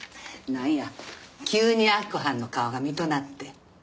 何や急に明子はんの顔が見となって。